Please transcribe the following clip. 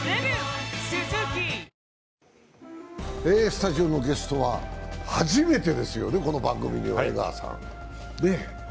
スタジオのゲストは初めてですよね、この番組には江川さん。